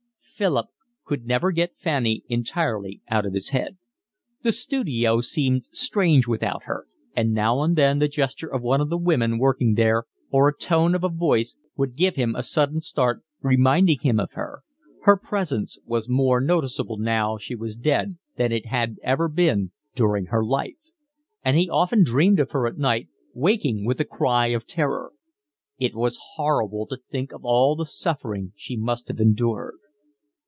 Philip could never get Fanny entirely out of his head. The studio seemed strange without her, and now and then the gesture of one of the women working there or the tone of a voice would give him a sudden start, reminding him of her: her presence was more noticable now she was dead than it had ever been during her life; and he often dreamed of her at night, waking with a cry of terror. It was horrible to think of all the suffering she must have endured.